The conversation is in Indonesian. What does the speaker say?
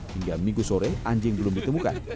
hingga minggu sore anjing belum ditemukan